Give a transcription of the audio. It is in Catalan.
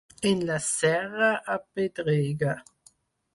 En la serra, apedrega.